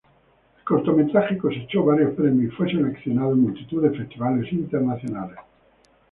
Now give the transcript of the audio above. El cortometraje cosechó varios premios y fue seleccionado en multitud de festivales internacionales.